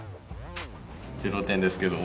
０点ですけども。